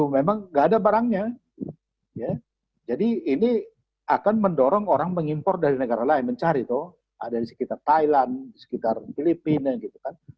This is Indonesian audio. memang nggak ada barangnya jadi ini akan mendorong orang mengimpor dari negara lain mencari tuh ada di sekitar thailand di sekitar filipina gitu kan